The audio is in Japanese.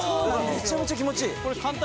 めちゃめちゃ気持ちいい！